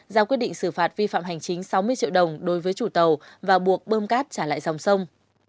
ra quyết định xử phạt vi phạm hành chính sáu mươi triệu đồng đối với chủ tàu và buộc bơm cát trả lại dòng sông